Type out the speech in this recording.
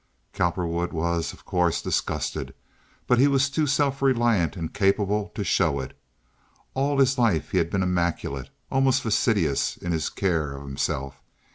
Cowperwood was, of course, disgusted; but he was too self reliant and capable to show it. All his life he had been immaculate, almost fastidious in his care of himself.